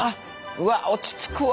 うわ落ち着くわ！